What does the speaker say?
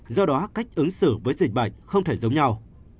do đó cách ứng xử với dịch bệnh không thể giống nhau